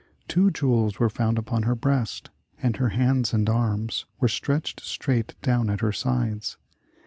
Two jewels were found upon her breast, and her hands and arms were stretched straight down at her sides.